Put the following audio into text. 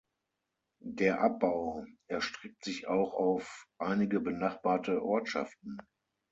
Der Abbau erstreckt sich auch auf einige benachbarte Ortschaften.